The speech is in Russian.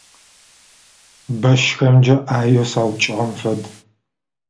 Словно меня сильно избили палками